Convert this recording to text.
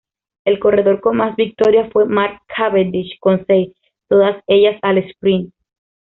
El corredor con más victorias fue Mark Cavendish con seis, todas ellas al sprint.